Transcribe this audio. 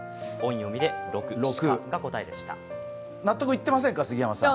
納得いってませんか、杉山さん。